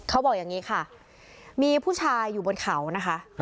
เขาบอกอย่างนี้ค่ะมีผู้ชายอยู่บนเขานะคะ